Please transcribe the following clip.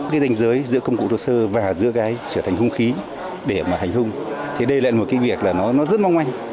cái danh giới giữa công cụ thô sơ và giữa cái trở thành hung khí để mà hành hung thì đây lại một cái việc là nó rất mong manh